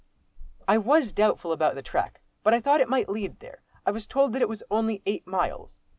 "I was doubtful about the track, but I thought it might lead there. I was told that it was only eight miles."